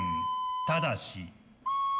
ただし。